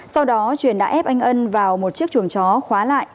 sau đó truyền đã ép anh ân vào một chiếc chuồng chó khóa lại